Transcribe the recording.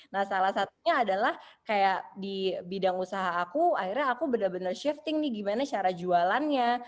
nah salah satunya adalah kayak di bidang usaha aku akhirnya aku benar benar shifting nih gimana cara jualannya